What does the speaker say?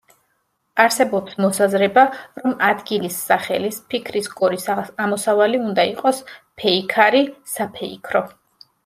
არსებობს მოსაზრება, რომ ადგილის სახელის, ფიქრის გორის ამოსავალი უნდა იყოს „ფეიქარი“, „საფეიქრო“.